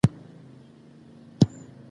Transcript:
زه بېله ډوډۍ نه خورم.